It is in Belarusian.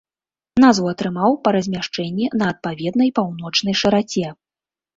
Назву атрымаў па размяшчэнні на адпаведнай паўночнай шыраце.